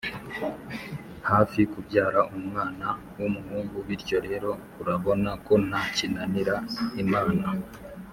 Hafi kubyara umwana w umuhungu bityo rero urabona ko nta kinanira imana